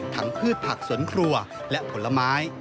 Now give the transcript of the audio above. พืชผักสวนครัวและผลไม้